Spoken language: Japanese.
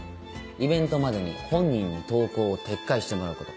イベントまでに本人に投稿を撤回してもらうこと。